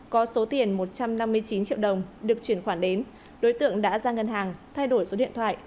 có số tiền một trăm năm mươi chín triệu đồng được chuyển khoản đến đối tượng đã ra ngân hàng thay đổi số điện thoại